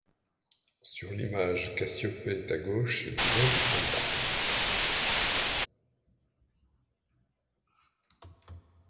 Sur l'image, Cassiopée est à gauche, et Déneb est en bas.